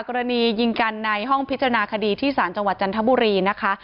กรณียิงกันในห้องพิจารณาคดีที่ศาลจังหวัดจันทบุรีนะคะ